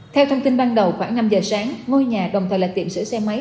theo thông tin ban đầu khoảng năm giờ sáng ngôi nhà đồng thời là tiệm sửa xe máy